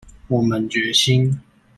我們決心